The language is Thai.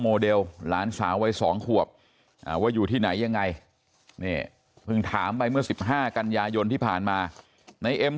โมเดลหลานสาววัย๒ขวบว่าอยู่ที่ไหนยังไงนี่เพิ่งถามไปเมื่อ๑๕กันยายนที่ผ่านมาในเอ็ม